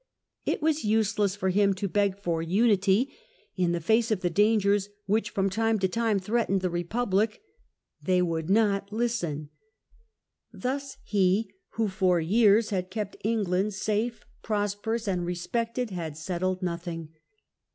It was useless for him to beg for unity in the face of the dangers which from time to time threatened the Republic. They would not listen. Thus he who for years had kept England safe, pros perous, and respected, had settled nothing.